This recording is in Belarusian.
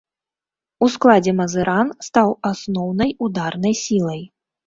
У складзе мазыран стаў асноўнай ударнай сілай.